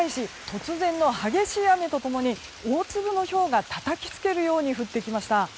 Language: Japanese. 突然の激しい雨と共に大粒のひょうがたたき付けるように降ってきました。